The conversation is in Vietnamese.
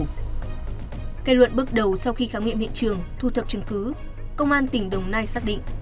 kết luận bước đầu sau khi khám nghiệm hiện trường thu thập chứng cứ công an tỉnh đồng nai xác định